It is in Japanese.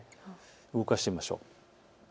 動かしてみましょう。